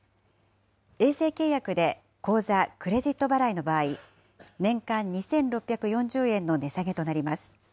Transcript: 衛星契約で口座・クレジット払いの場合、年間２６４０円の値下げとなります。